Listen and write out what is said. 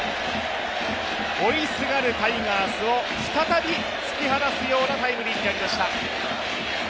追いすがるタイガースを再び突き放すようなタイムリーになりました。